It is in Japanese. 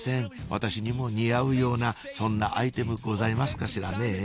私にも似合うようなそんなアイテムございますかしらねぇ？